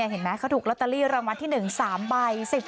เห็นไหมเขาถูกลอตเตอรี่รางวัลที่๑๓ใบ